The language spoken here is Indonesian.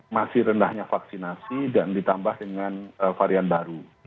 masih rendahnya vaksinasi dan ditambah dengan varian baru